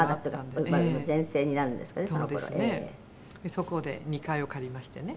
そこで２階を借りましてね